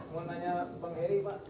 mau nanya bang heri pak